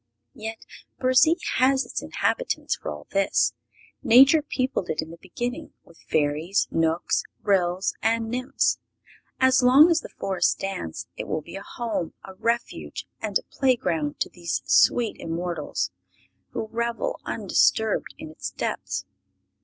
Yet Burzee has its inhabitants for all this. Nature peopled it in the beginning with Fairies, Knooks, Ryls and Nymphs. As long as the Forest stands it will be a home, a refuge and a playground to these sweet immortals, who revel undisturbed in its depths.